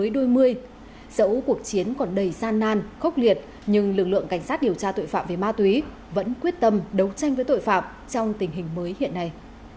dẫu cuộc chiến còn đầy gian nan khốc liệt nhưng lực lượng cảnh sát điều tra tội phạm về ma túy vẫn quyết tâm đấu tranh với tội phạm trong tình hình mới hiện nay